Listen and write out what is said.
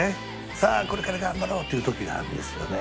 さあこれから頑張ろうっていう時なんですよね。